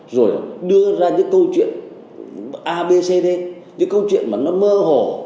rồi đưa ra những câu chuyện abcd những câu chuyện mà nó mơ hồ